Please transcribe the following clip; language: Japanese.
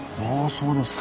そうですか。